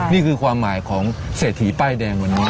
นี่คือความหมายของเศรษฐีป้ายแดงวันนี้